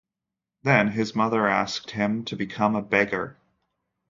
Then, his mother asked him to become a beggar.